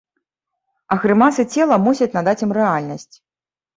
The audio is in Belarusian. А грымасы цела мусяць надаць ім рэальнасць.